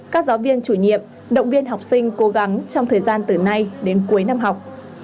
các giáo viên chủ nhiệm động viên học sinh cố gắng trong thời gian từ nay đến cuối năm học